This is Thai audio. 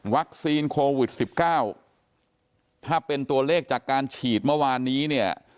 โควิด๑๙ถ้าเป็นตัวเลขจากการฉีดเมื่อวานนี้เนี่ย